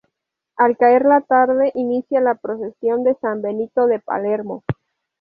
Al caer la tarde inicia la procesión de San Benito de Palermo.